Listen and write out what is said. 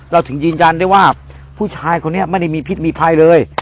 ถึงยืนยันได้ว่าผู้ชายคนนี้ไม่ได้มีพิษมีภัยเลย